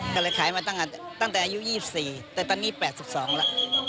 ก็เลยขายมาตั้งแต่อายุ๒๔แต่ตอนนี้๘๒แล้ว